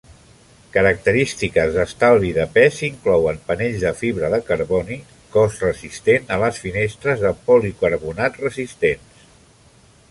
Característiques d'estalvi de pes inclouen panells de fibra de carboni cos, resistent a les finestres de policarbonat resistents.